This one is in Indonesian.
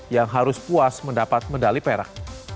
yang harus puas mendapat medali perak